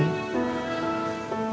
ini dia loang tuh